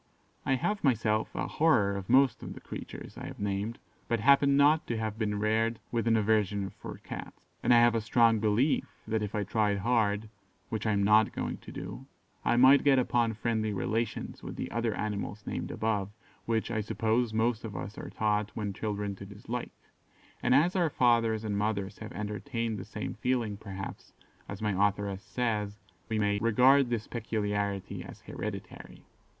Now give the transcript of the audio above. I have, myself, a horror of most of the creatures I have named, but happen not to have been reared with an aversion for Cats, and I have a strong belief that if I tried hard (which I am not going to do) I might get upon friendly relations with the other animals named above, which, I suppose, most of us are taught, when children, to dislike; and as our fathers and mothers have entertained the same feeling, perhaps, as my authoress says, we may "regard this peculiarity as hereditary."